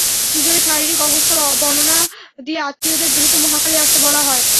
দুজনের শারীরিক অবস্থার বর্ণনা দিয়ে আত্মীয়দের দ্রুত মহাখালী আসতে বলা হয়।